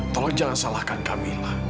tolong jangan salahkan camilla